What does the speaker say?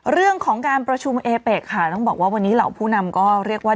เรื่องของการประชุมเอเป็กค่ะต้องบอกว่าวันนี้เหล่าผู้นำก็เรียกว่า